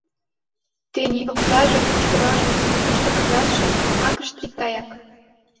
Тений оксаже, куштыраже, тошто кагазше — акышт икгаяк.